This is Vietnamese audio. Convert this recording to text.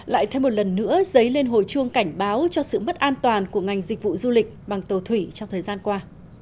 lại thêm một lần nữa giấy lên hồi chuông cảnh báo cho sự mất an toàn của ngành dịch vụ du lịch bằng tàu thủy trong thời gian qua